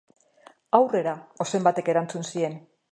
Aurrera! Ozen batek erantzun zien.